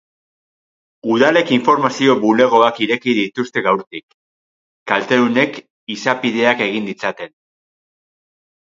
Udalek informazio bulegoak irekiko dituzte gaurtik, kaltedunek izapideak egin ditzaten.